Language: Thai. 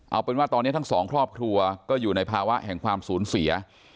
เอาเป็นว่าตอนนี้ทั้งสองครอบครัวก็อยู่ในภาวะแห่งความสูญเสีย